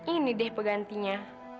ini deh pegantinya